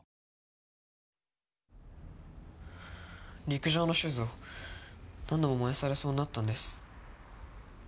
陸上のシューズを何度も燃やされそうになったんです。